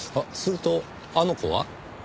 するとあの子は？